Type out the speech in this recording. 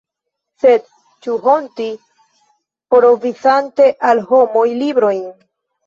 Sed ĉu honti, provizante al homoj librojn?